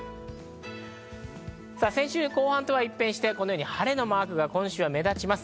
先週後半とは一転して、晴れのマークが今週は目立ちます。